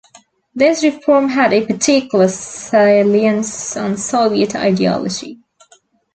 This reform had a particular salience on Soviet ideology.